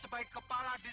semoga semuanya pieces